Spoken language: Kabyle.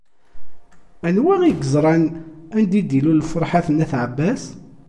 Anwa i yeẓran anda i d-ilul Ferḥat n At Ɛebbas?